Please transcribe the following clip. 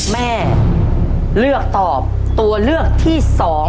แม่เลือกตอบตัวเลือกที่๒